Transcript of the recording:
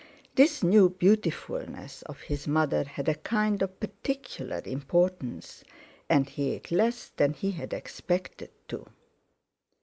This new beautifulness of his mother had a kind of particular importance, and he ate less than he had expected to.